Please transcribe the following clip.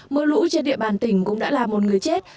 mưa lũ trên địa bàn tỉnh cũng đã làm một người chết